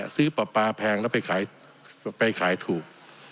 ซื้อประปาแพงแล้วไปขายถูก